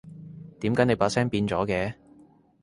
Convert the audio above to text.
點解你把聲變咗嘅？